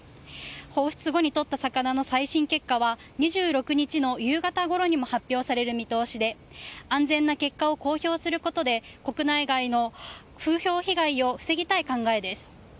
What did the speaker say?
放出後にとった魚の最新結果は２６日の夕方ごろにも発表される見通しで安全な結果を公表することで国内外の風評被害を防ぎたい考えです。